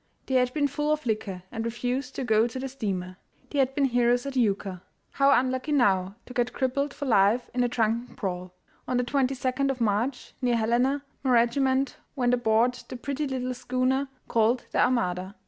They had been full of liquor, and refused to go to the steamer. They had been heroes at Iuka. How unlucky now to get crippled for life in a drunken brawl! On the 22d of March, near Helena, my regiment went aboard the pretty little schooner called the Armada.